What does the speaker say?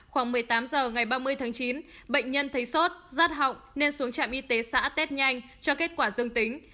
khoảng một mươi tám giờ ngày ba mươi tháng chín bệnh nhân thấy sốt rát họng nên xuống trạm y tế xã tết nhanh cho kết quả dương tính